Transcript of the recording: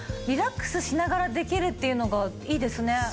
リラックスしながらできるっていうのがいいですね。